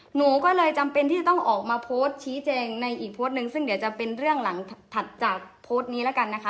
หนูก็เลยจำเป็นที่จะต้องออกมาโพสต์ชี้แจงในอีกโพสต์หนึ่งซึ่งเดี๋ยวจะเป็นเรื่องหลังถัดจากโพสต์นี้แล้วกันนะคะ